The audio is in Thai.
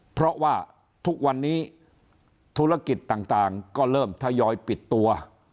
เพราะว่าทุกวันนี้ธุรกิจต่างก็เริ่มทยอยปิดตัว